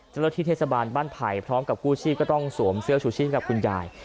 เจ้าหน้าที่เทศบาลบ้านไผ่พร้อมกับกู้ชีพก็ต้องสวมเสื้อชูชีพกับคุณยาย